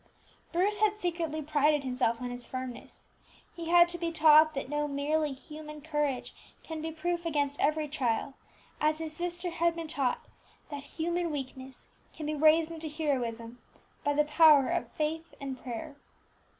Bruce had secretly prided himself on his firmness; he had to be taught that no merely human courage can be proof against every trial, as his sister had been taught that human weakness can be raised into heroism by the power of faith and prayer.